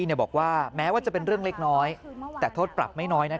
พี่ก็ขอให้น้องจัดเป็นบทเรียนน้าแล้วก็มีสติ